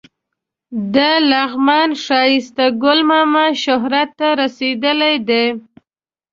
د لغمان ښایسته ګل ماما شهرت ته رسېدلی دی.